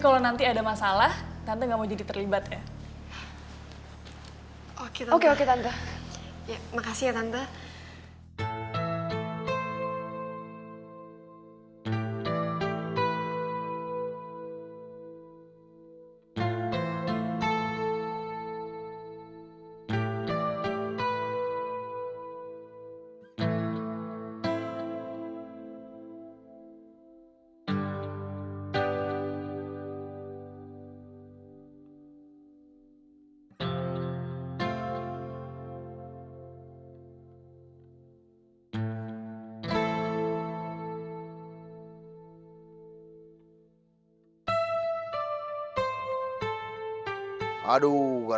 om kejar mereka yuk